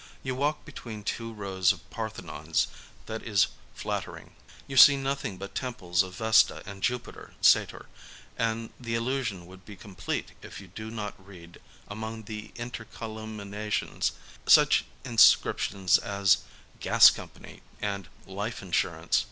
You walk between two rows of Parthenons: that is flattering. You see nothing but temples of Vesta and Jupiter Sator, and the illusion would be complete if you do not read among the intercolumniations such inscriptions as " Gas Company," and " Life Insurance."